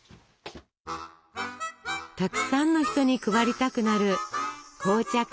たくさんの人に配りたくなる紅茶香る